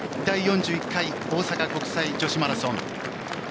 第４１回大阪国際女子マラソン。